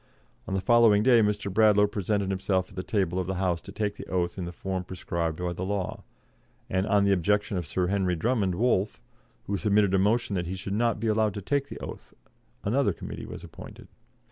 On the following day Mr. Bradlaugh presented himself at the table of the House to take the oath in the form prescribed by the law, and on the objection of Sir Henry Drummond Wolff, who submitted a motion that he should not be allowed to take the oath, another Committee was appointed.